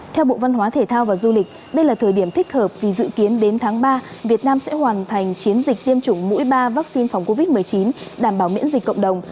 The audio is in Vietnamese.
theo bộ văn hóa thể thao và du lịch đây là thời điểm thích hợp vì dự kiến đến tháng ba việt nam sẽ hoàn thành chiến dịch tiêm chủng mũi ba vaccine phòng covid một mươi chín đảm bảo miễn dịch cộng đồng